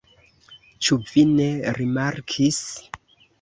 Ĉu vi ne rimarkis?